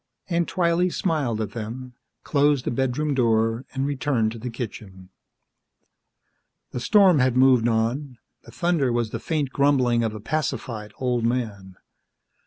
Aunt Twylee smiled at them, closed the bedroom door and returned to the kitchen. The storm had moved on; the thunder was the faint grumbling of a pacified old man.